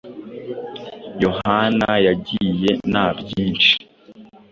Yohana yagiye nta byinshi